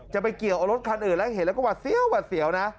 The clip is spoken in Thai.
ไปเกี่ยวกับรถคันอื่นแล้วเห็นแล้วก็หวัดเสียวหวัดเสียวนะ